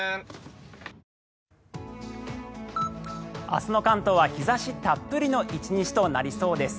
明日の関東は日差したっぷりの１日となりそうです。